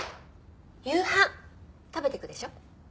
夕飯食べていくでしょ？